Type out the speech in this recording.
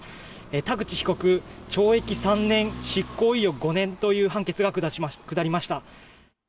田口被告、懲役３年、執行猶予５年という判決が下りました。